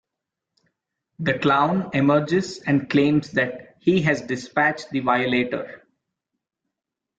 The Clown emerges and claims that he has dispatched the Violator.